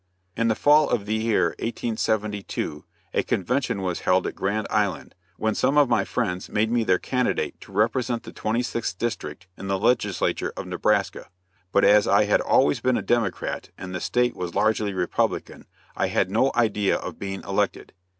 In the fall of the year, 1872, a convention was held at Grand Island, when some of my friends made me their candidate to represent the Twenty sixth District in the legislature of Nebraska; but as I had always been a Democrat and the State was largely Republican, I had no idea of being elected.